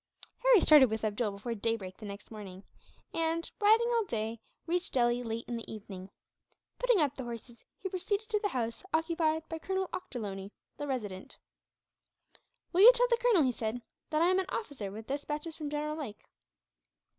Harry started with Abdool before daybreak the next morning and, riding all day, reached Delhi late in the evening. Putting up the horses, he proceeded to the house occupied by Colonel Ochterlony, the Resident. "Will you tell the colonel," he said, "that I am an officer with despatches from General Lake?"